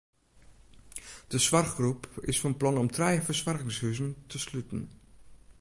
De soarchgroep is fan plan om trije fersoargingshuzen te sluten.